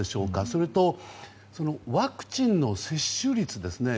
それと、ワクチンの接種率ですね